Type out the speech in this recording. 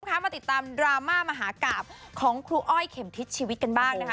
คะมาติดตามดราม่ามหากราบของครูอ้อยเข็มทิศชีวิตกันบ้างนะคะ